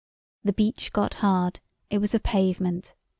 The beach got hard—it was a pavement.